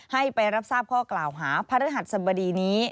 ให้ไปรับทราบข้อกล่าวหาพระฤหัสสบดีนี้